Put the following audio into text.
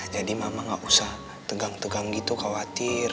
jadi mama gak usah tegang tegang gitu khawatir